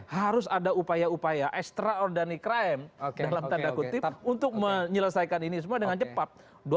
harus ada upaya upaya extraordinary crime dalam tanda kutip untuk menyelesaikan ini semua dengan cepat